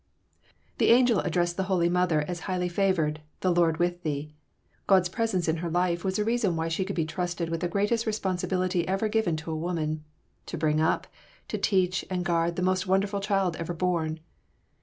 The angel addressed the holy mother as "highly favored," "the Lord with thee." God's presence in her life was a reason why she could be trusted with the greatest responsibility ever given to a woman, to bring up, to teach and guard the most wonderful child ever born.